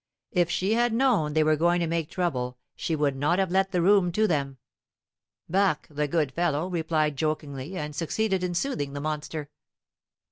If she had known they were going to make trouble she would not have let the room to them. Barque, the good fellow, replied jokingly, and succeeded in soothing the monster.